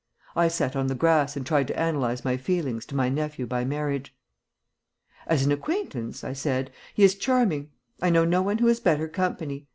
I sat on the grass and tried to analyse my feelings to my nephew by marriage. "As an acquaintance," I said, "he is charming; I know no one who is better company.